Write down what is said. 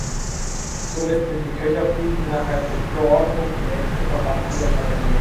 Somit sind die Köcherfliegen innerhalb der Überordnung die nächsten Verwandten der Schmetterlinge.